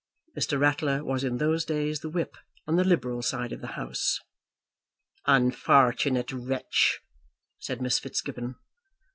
Mr. Ratler was in those days the Whip on the liberal side of the House. "Unfortunate wretch!" said Miss Fitzgibbon.